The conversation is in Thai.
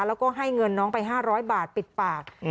แล้วก็ให้เงินน้องไป๕๐๐บาทปิดปาก